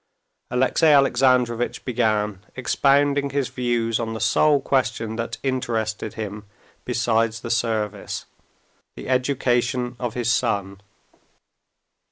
Alexey Alexandrovitch began expounding his views on the sole question that interested him besides the service—the education of his son.